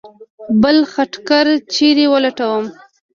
بل خټګر چېرې ولټومه.